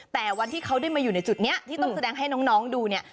แต่วันที่เขาได้มาอยู่ในจุดนี้ที่ต้องแสดงให้น้องดูเนี่ย